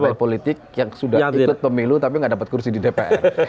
partai politik yang sudah ikut pemilu tapi nggak dapat kursi di dpr